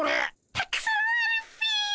たくさんあるっピ。